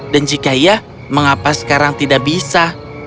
dan jika iya mengapa sekarang tidak bisa